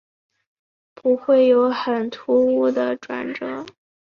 不会有很突兀的转折